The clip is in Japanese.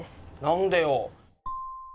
何でよ？